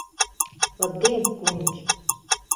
Labdien, kungi!